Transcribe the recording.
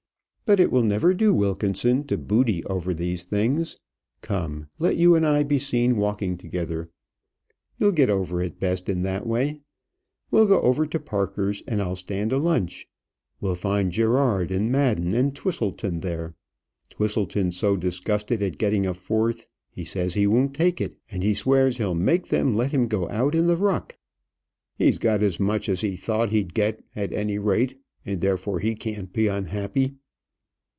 But it will never do, Wilkinson, to boody over these things. Come, let you and I be seen walking together; you'll get over it best in that way. We'll go over to Parker's, and I'll stand a lunch. We'll find Gerard, and Madden, and Twisleton there. Twisleton's so disgusted at getting a fourth. He says he won't take it, and swears he'll make them let him go out in the ruck." "He's got as much as he thought he'd get, at any rate, and therefore he can't be unhappy."